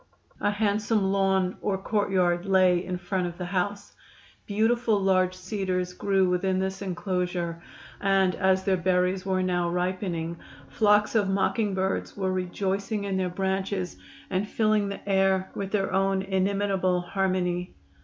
A handsome lawn or courtyard lay in front of the house. Beautiful large cedars grew within this enclosure, and as their berries were now ripening flocks of mockingbirds were rejoicing in their branches and filling the air with their own inimitable harmony.